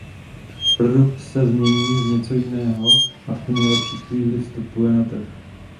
Produkt se změní v něco jiného a v tu nejlepší chvíli vstupuje na trh.